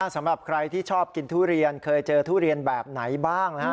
สำหรับใครที่ชอบกินทุเรียนเคยเจอทุเรียนแบบไหนบ้างนะฮะ